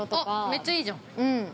◆めっちゃいいじゃん。